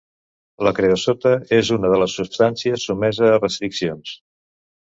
La creosota és una de les substàncies sotmesa a restriccions.